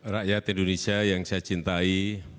rakyat indonesia yang saya cintai